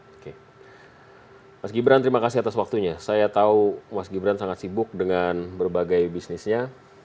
oke mas gibran terima kasih atas waktunya saya tahu mas gibran sangat sibuk dengan berbagai bisnisnya